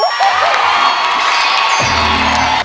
ได้ครับ